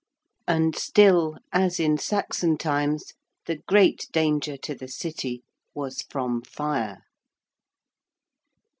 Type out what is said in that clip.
And still, as in Saxon times, the great danger to the City was from fire.